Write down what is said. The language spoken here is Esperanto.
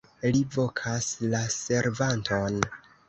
Li vokas la servanton.